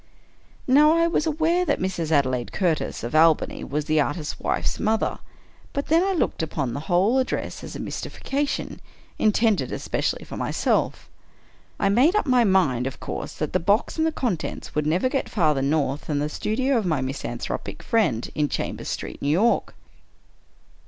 Now, I was aware that Mrs. Adelaide Curtis, of Albany, was the artist's wife's mother; — but then I looked upon the whole address as a mystification, intended especially for myself. I made up my mind, of course, that the box and contents would never get farther north than the studio of my misanthropic friend, in Chambers Street, New York.